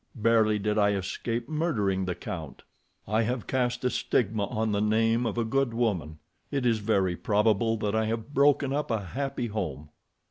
Barely did I escape murdering the count. I have cast a stigma on the name of a good woman. It is very probable that I have broken up a happy home."